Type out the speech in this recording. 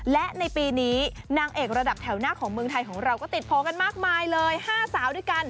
และในปีนี้นางเอกระดับแถวหน้าของเมืองไทยของเราก็ติดโพลกันมากมายเลย๕สาวด้วยกัน